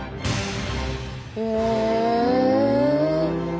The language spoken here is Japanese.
へえ！